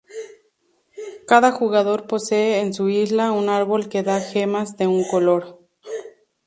Cada jugador posee en su isla un árbol que da gemas de un color.